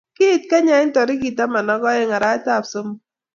Kiit kenya eng torikit tamanak oeng arap somok